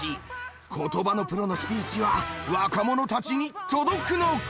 言葉のプロのスピーチは若者たちに届くのか？